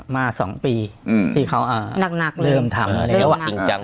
อ่ะมาสองปีอืมที่เขาอ่านักนักเริ่มทำอ่ะเริ่มจัง